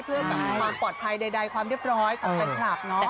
เพื่อความปลอดภัยใดความเรียบร้อยของแฟนคลับเนาะ